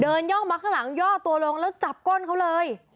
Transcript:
ย่องมาข้างหลังย่อตัวลงแล้วจับก้นเขาเลย